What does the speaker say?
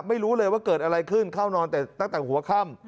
ไม่รู้เลยว่าเกิดอะไรขึ้นเข้านอนแต่ตั้งแต่หัวค่ำ